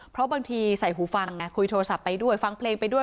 เพราะบางทีใส่หูฟังไงคุยโทรศัพท์ไปด้วยฟังเพลงไปด้วย